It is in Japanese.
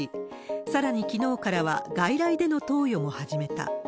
さらにきのうからは、外来での投与も始めた。